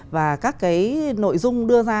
và các cái nội dung đưa ra